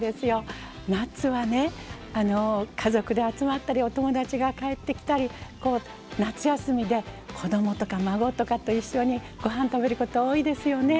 夏はね、家族で集まったりお友達が帰ってきたりと夏休みで子供とか孫とかと一緒にご飯食べること多いですよね。